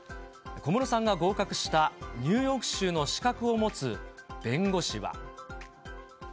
小室さんが合格したニューヨーク州の資格を持つ弁護士は。